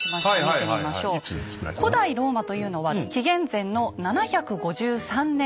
古代ローマというのは紀元前の７５３年に建国をしました。